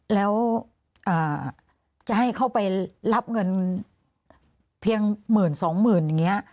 แล้วจะให้เขาไปรับเงินเพียงหมื่นสองหมื่นอย่างนี้